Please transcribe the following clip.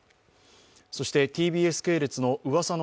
そして、ＴＢＳ系列の「噂の！